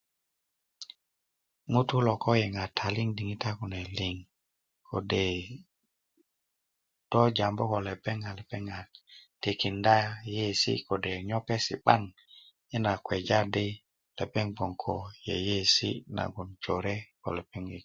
ŋutu' lo ko yiŋa taliŋ diŋitan kune liŋ kode' do jambu ko lepeŋ a lepeŋ a tikinda yeiyesi' kode' nyopesi' 'ban yi na kpeja di lepeŋ bgoŋ yeiyesi' nagon jore ko lepeŋ